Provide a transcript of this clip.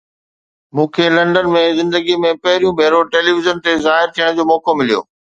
مون کي لنڊن ۾ زندگيءَ ۾ پهريون ڀيرو ٽيليويزن تي ظاهر ٿيڻ جو موقعو مليو.